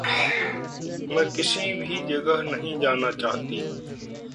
मैं किसी भी जगह नहीं जाना चाहती।